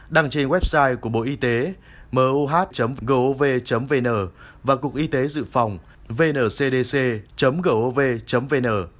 đăng trên website của bộ y tế moh gov vn và cục y tế dự phòng vncdc gov vn